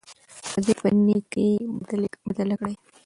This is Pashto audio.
بدي په نېکۍ بدله کړئ.